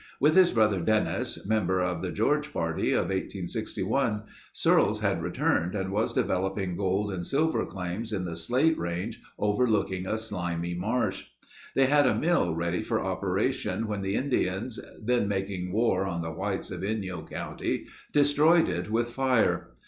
With his brother Dennis, member of the George party of 1861, Searles had returned and was developing gold and silver claims in the Slate Range overlooking a slimy marsh. They had a mill ready for operation when the Indians, then making war on the whites of Inyo county destroyed it with fire.